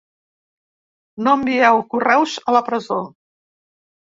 No envieu correus a la presó.